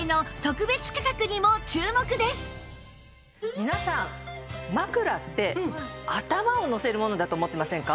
皆さん枕って頭をのせるものだと思っていませんか？